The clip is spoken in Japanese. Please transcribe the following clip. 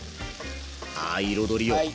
ああ彩りよく。